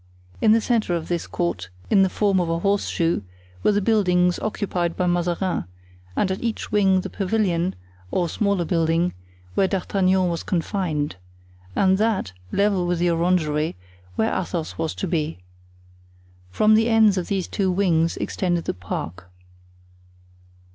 In the centre of this court, in the form of a horseshoe, were the buildings occupied by Mazarin, and at each wing the pavilion (or smaller building), where D'Artagnan was confined, and that, level with the orangery, where Athos was to be. From the ends of these two wings extended the park.